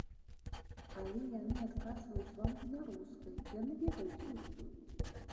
Але яны адказваюць вам на рускай, яны ведаюць рускую.